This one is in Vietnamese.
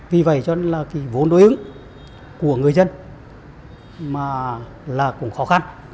vì vậy cho nên là vốn đối ứng của người dân là cũng khó khăn